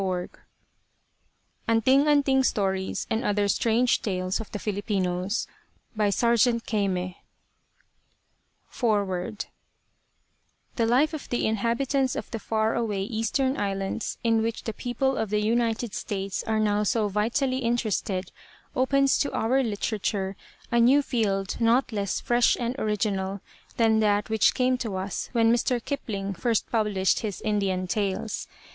ANTING ANTING STORIES And Other STRANGE TALES of the FILIPINOS By Sargent Kayme Boston: Small, Maynard & Company 1901 FOREWORD The life of the inhabitants of the far away Eastern islands in which the people of the United States are now so vitally interested opens to our literature a new field not less fresh and original than that which came to us when Mr. Kipling first published his Indian tales.